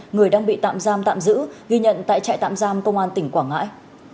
người đang bị tạm giam tạm giữ ghi nhận tại trại tạm giam công an tỉnh quảng ngãi